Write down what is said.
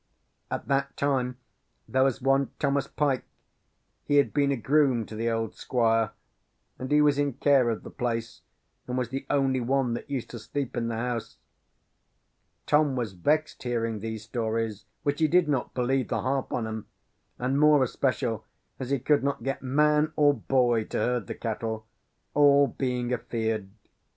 "At that time there was one Thomas Pyke; he had been a groom to the old Squire; and he was in care of the place, and was the only one that used to sleep in the house. "Tom was vexed, hearing these stories; which he did not believe the half on 'em; and more especial as he could not get man or boy to herd the cattle; all being afeared.